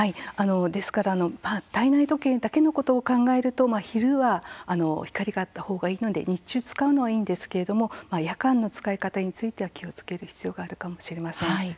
ですから体内時計だけのことを考えると昼は光があった方がいいので日中使うのはいいんですけれども夜間の使い方については気をつける必要があるかもしれません。